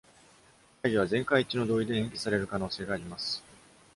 会議は全会一致の同意で延期される可能性があります。